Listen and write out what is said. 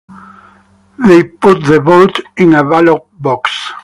They put the vote in a ballot box.